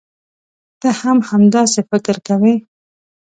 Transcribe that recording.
ته هم همداسې فکر کوې.